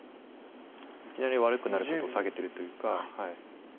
いきなり悪くなることを避けてるというか。